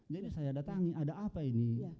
jadi saya datangi ada apa ini